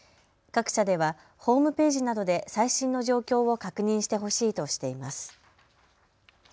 各社ではホームページなどで最新の状況を確認してほしいとしています。